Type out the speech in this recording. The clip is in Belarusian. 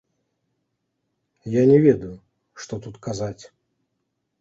Я не ведаю, што тут казаць.